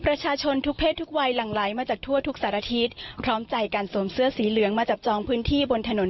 ประชาชนทุกเพศทุกวัยหลั่งไหลมาจากทั่วทุกสารทิศพร้อมใจการสวมเสื้อสีเหลืองมาจับจองพื้นที่บนถนน